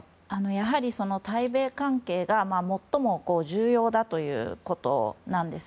やはり対米関係が最も重要だということなんです。